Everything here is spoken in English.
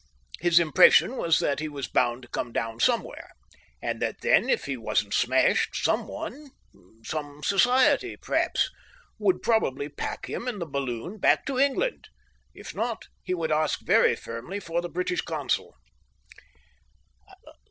His impression was that he was bound to come down somewhere, and that then, if he wasn't smashed, some one, some "society" perhaps, would probably pack him and the balloon back to England. If not, he would ask very firmly for the British Consul.